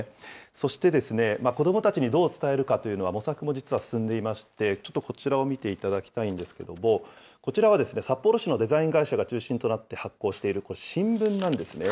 そして、子どもたちにどう伝えるかというのは、模索も実は進んでいまして、ちょっとこちらを見ていただきたいんですけど、こちらは札幌市のデザイン会社が中心となって発行している新聞なんですね。